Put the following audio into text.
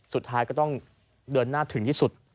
สุดท้ายก็ต้องเดินหน้าถึงที่สุด